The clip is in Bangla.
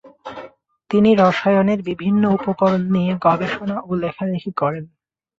তিনি রসায়নের বিভিন্ন উপকরণ নিয়ে গবেষণা ও লেখালেখি করেন।